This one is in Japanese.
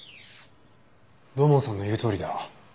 土門さんの言うとおりだ。